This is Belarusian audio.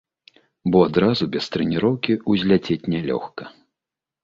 Бо адразу, без трэніроўкі, узляцець нялёгка.